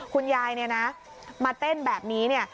คุณยายเนี่ยนะมาเต้นแบบนี้เนี่ย